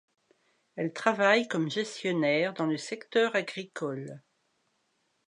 Elle travaille comme gestionnaire dans le secteur agricole.